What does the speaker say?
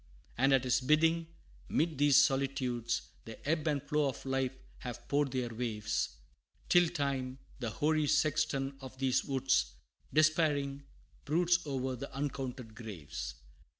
And at his bidding, 'mid these solitudes, The ebb and flow of life have poured their waves, Till Time, the hoary sexton of these woods, Despairing, broods o'er the uncounted graves.